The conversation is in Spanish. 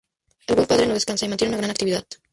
El Buen Padre no descansa, y mantiene una gran actividad.